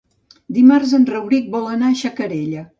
Dimarts en Rauric vol anar a Xacarella.